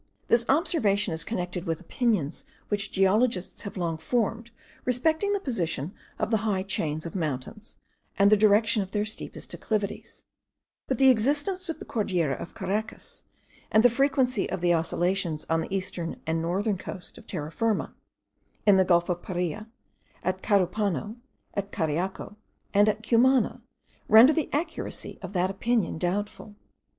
This observation is connected with opinions which geologists have long formed respecting the position of the high chains of mountains, and the direction of their steepest declivities; but the existence of the Cordillera of Caracas, and the frequency of the oscillations on the eastern and northern coast of Terra Firma, in the gulf of Paria, at Carupano, at Cariaco, and at Cumana, render the accuracy of that opinion doubtful.